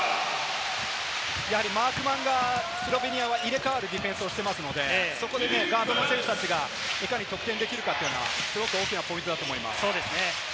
マークマンがスロベニアは入れ替わるディフェンスをしていますので、ガードの選手たちがいかに得点できるか、すごく大きなポイントだと思います。